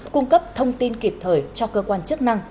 cung cấp thông tin kịp thời cho cơ quan chức năng